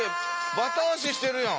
バタ足してるやん。